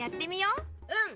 うん！